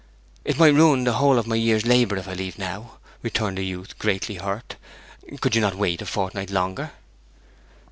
'It might ruin the whole of my year's labour if I leave now!' returned the youth, greatly hurt. 'Could you not wait a fortnight longer?'